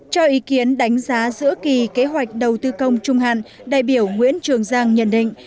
cho ý kiến đánh giá giữa kỳ kế hoạch đầu tư công trung hạn đại biểu nguyễn trường giang nhận định